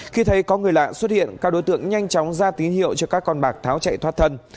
khi thấy có người lạ xuất hiện các đối tượng nhanh chóng ra tín hiệu cho các con bạc tháo chạy thoát thân